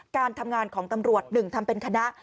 การทำงานของตำรวจ๑ทำเป็นคณะ